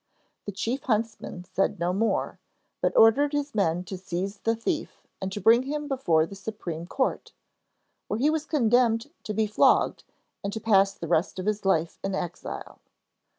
The chief huntsman said no more, but ordered his men to seize the thief and to bring him before the supreme court, where he was condemned to be flogged and to pass the rest of his life in exile.